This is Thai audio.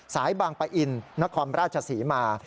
สายบางปะอินนครราชศรีมา